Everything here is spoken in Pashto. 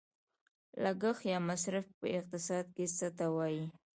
لګښت یا مصرف په اقتصاد کې څه ته وايي؟